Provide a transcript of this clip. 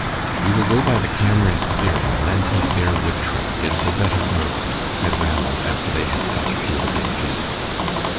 "We will go by the Camerons' clearing, and then take their wood track. It is a better road," said Ranald, after they had got through the big gate.